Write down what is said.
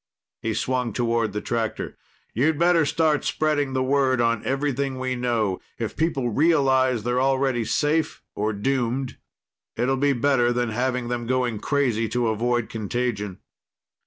He swung toward the tractor. "You'd better start spreading the word on everything we know. If people realize they're already safe or doomed it'll be better than having them going crazy to avoid contagion."